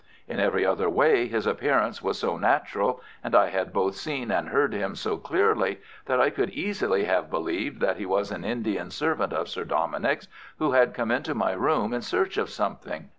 In every other way his appearance was so natural, and I had both seen and heard him so clearly, that I could easily have believed that he was an Indian servant of Sir Dominick's who had come into my room in search of something.